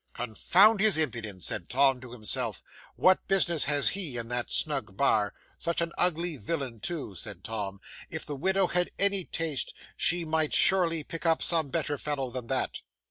'"Confound his impudence!" said Tom to himself, "what business has he in that snug bar? Such an ugly villain too!" said Tom. "If the widow had any taste, she might surely pick up some better fellow than that."